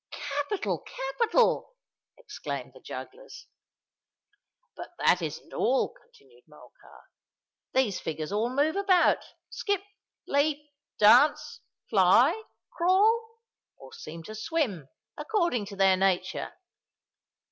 "Capital!—capital!" exclaimed the jugglers. "But that isn't all," continued Morcar. "These figures all move about—skip—leap—dance—fly—crawl—or seem to swim, according to their nature."